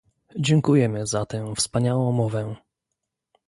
Dziękujemy za tę wspaniałą mowę